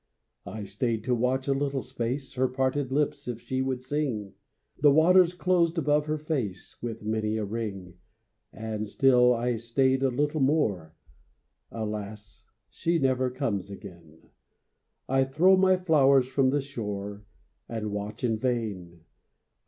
I staid to watch, a little space, Her parted lips if she would sing; The waters closed above her face With many a ring. And still I staid a little more, Alas! she never comes again! I throw my flowers from the shore, And watch in vain.